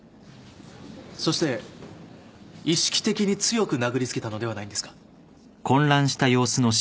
そして意識的に強く殴り付けたのではないんですか。